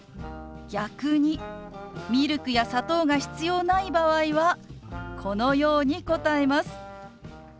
逆にミルクや砂糖が必要ない場合はこのように答えます。